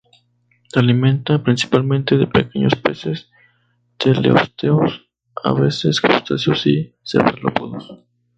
Se alimenta principalmente de pequeños peces teleósteos, a veces crustáceos y cefalópodos.